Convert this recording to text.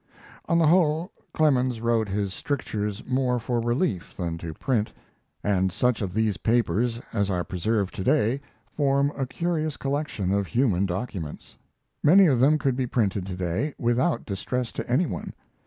On the whole, Clemens wrote his strictures more for relief than to print, and such of these papers as are preserved to day form a curious collection of human documents. Many of them could be printed to day, without distress to any one.